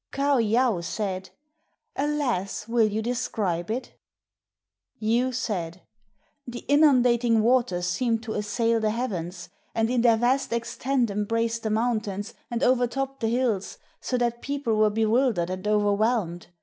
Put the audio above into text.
Kaou yaou said, "Alas! will you describe it?" Yu said, " The inundating waters seemed to assail the heavens, and in their vast extent embraced the mountains and overtopped the hills, so that people were bewildered and overwhelmed.